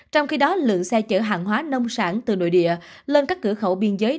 trong khi đó lượng xe chở hàng hóa nông sản từ nội địa lên các cửa khẩu biên giới